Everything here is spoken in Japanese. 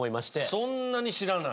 そんなに知らない？